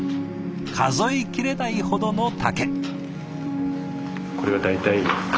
数え切れないほどの竹。